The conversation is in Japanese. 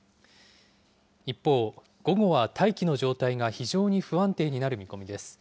一方、午後は大気の状態が非常に不安定になる見込みです。